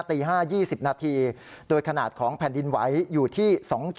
ตี๕๒๐นาทีโดยขนาดของแผ่นดินไหวอยู่ที่๒๗